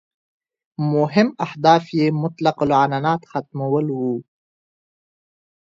مهم اهداف یې مطلق العنانیت ختمول وو.